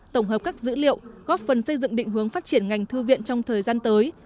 tổng hợp các dữ liệu góp phần xây dựng định hướng phát triển ngành thư viện trong thời gian tới